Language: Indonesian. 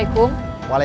tidak ada masalah